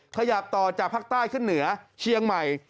ขยับต่อจากภาคใต้ขึ้นเหนือเชียงใหม่